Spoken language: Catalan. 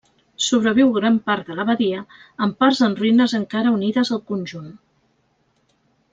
Sobreviu gran part de l'abadia, amb parts en ruïnes encara unides al conjunt.